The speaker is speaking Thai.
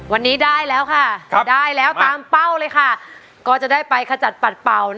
วันนี้ได้แล้วค่ะได้แล้วตามเป้าเลยค่ะ